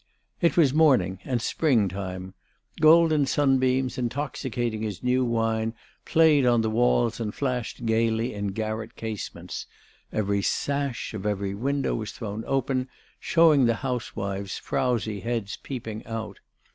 It was morning and springtime. Golden sunbeams, intoxicating as new wine, played on the walls and flashed gaily in at garret casements. Every sash of every window was thrown open, showing the housewives' frowsy heads peeping out.